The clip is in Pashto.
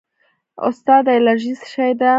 استاده الرژي څه شی ده